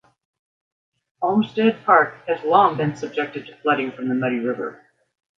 Olmsted park has long been subject to flooding from the Muddy River.